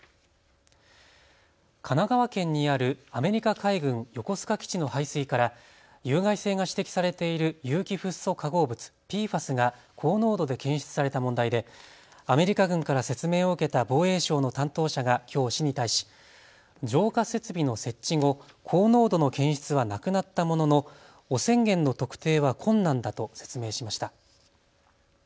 神奈川県にあるアメリカ海軍横須賀基地の排水から有害性が指摘されている有機フッ素化合物・ＰＦＡＳが高濃度で検出された問題でアメリカ軍から説明を受けた防衛省の担当者がきょう市に対し、浄化設備の設置後、高濃度の検出はなくなったものの汚染源の特定は困難だと説明しました。